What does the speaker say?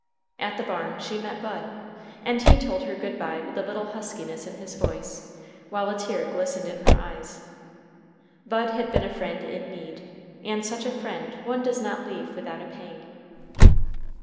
At the barn she met Bud, and he told her good by with a little huskiness in his voice, while a tear glistened in her eyes. Bud had been a friend in need, and such a friend one does not leave without a pang.